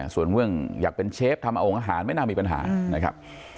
ส่วนเรื่องอยากเป็นเชฟทำองค์อาหารไม่น่ามีปัญหานะครับ